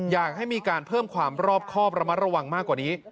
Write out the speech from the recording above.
อยากให้มีการเพิ่มความรอบครอบระมัดระวังมากกว่านี้